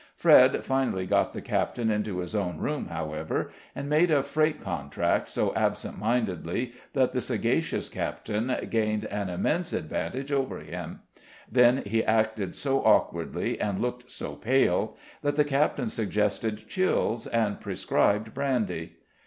Fred finally got the captain into his own room, however, and made a freight contract so absent mindedly that the sagacious captain gained an immense advantage over him; then he acted so awkwardly, and looked so pale, that the captain suggested chills, and prescribed brandy.